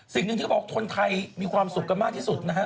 สิ่งหนึ่งที่เขาบอกคนไทยมีความสุขกันมากที่สุดนะฮะ